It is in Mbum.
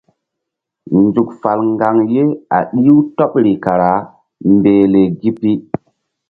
Nzuk fal ŋgaŋ ye a ɗih-u tɔɓri kara mbehle gi pi.